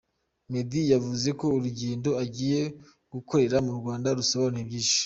Meddy yavuze ko urugendo agiye gukorera mu Rwanda rusobanuye byinshi.